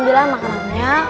ambil aja makanannya